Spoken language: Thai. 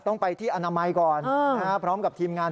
ต้องไปที่อนามัยก่อนพร้อมกับทีมงาน